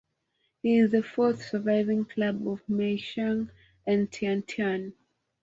He is the fourth surviving cub of Mei Xiang and Tian Tian.